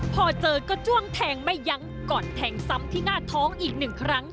พอเจอก็จ้วงแทงไม่ยั้งก่อนแทงซ้ำที่หน้าท้องอีกหนึ่งครั้ง